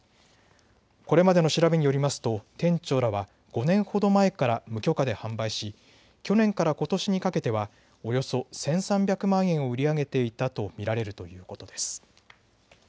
これまでの調べによりますと店長らは５年ほど前から無許可で販売し、去年からことしにかけてはおよそ１３００万円を売り上げていたと見られるということです。